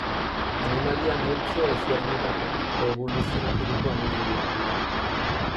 Animalia-multzo ezberdinetatik eboluzionaturiko animaliak dira.